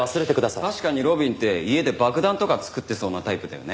確かに路敏って家で爆弾とか作ってそうなタイプだよね。